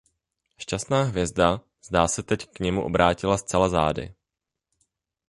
Šťastná hvězda zdá se teď k němu obrátila zcela zády.